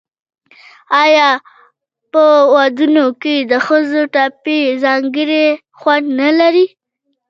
آیا په ودونو کې د ښځو ټپې ځانګړی خوند نلري؟